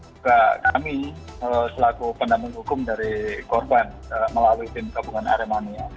juga kami selaku pendamping hukum dari korban melalui tim gabungan aremania